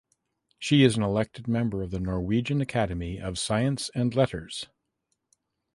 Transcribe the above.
She is an elected member of the Norwegian Academy of Science and Letters.